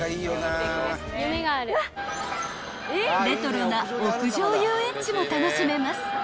［レトロな屋上遊園地も楽しめます］